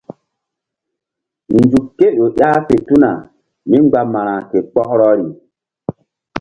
Nzuk ké ƴo ƴah fe tuna mí mgba ma̧ra ke kpɔkrɔri.